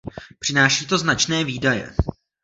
Přináší to značné výdaje.